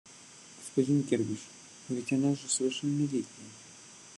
Господин Кербеш, но ведь она же совершеннолетняя